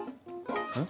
うん？